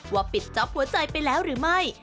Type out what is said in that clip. ปิดจ๊อปหัวใจไปแล้วหรือไม่